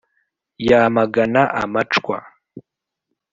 yamagana amacwa!